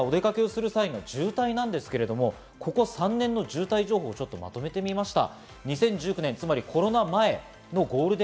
気になるのは、お出かけをする際の渋滞なんですけれども、ここ３年の渋滞情報をまとめてみました。